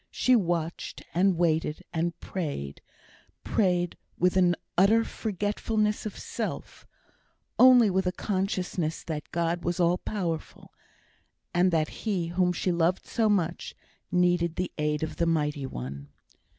She watched, and waited, and prayed: prayed with an utter forgetfulness of self, only with a consciousness that God was all powerful, and that he, whom she loved so much, needed the aid of the Mighty One.